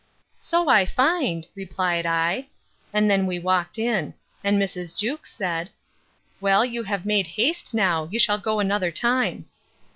So I find, replied I. And then we walked in; and Mrs. Jewkes said; Well, you have made haste now.—You shall go another time.